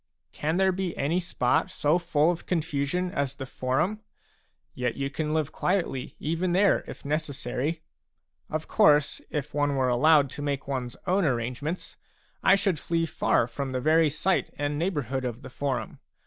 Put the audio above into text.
6 Can there be any spot so full of confusion as the Forum ? Yet you can live quietly even there, if necessary. Of course, if one were allowed to make one's own arrangements, I should flee far from the very sight and neighbourhood of the Forum.